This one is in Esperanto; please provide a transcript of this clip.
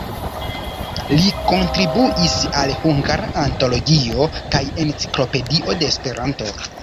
Li kontribuis al "Hungara Antologio" kaj "Enciklopedio de Esperanto".